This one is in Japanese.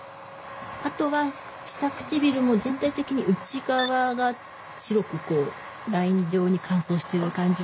あとは下唇も全体的に内側が白くライン上に乾燥してる感じがします。